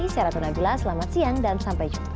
saya ratna bila selamat siang dan sampai jumpa